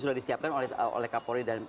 sudah disiapkan oleh kapolri dan